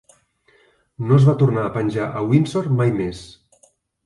No es va tornar a penjar a Windsor mai més.